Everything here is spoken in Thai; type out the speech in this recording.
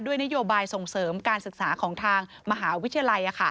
นโยบายส่งเสริมการศึกษาของทางมหาวิทยาลัย